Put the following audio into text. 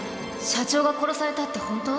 社長が殺されたってホント？